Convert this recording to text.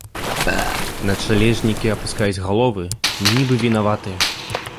Начлежнікі апускаюць галовы, нібы вінаватыя.